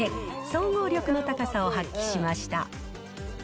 総合力の高さを発揮しました。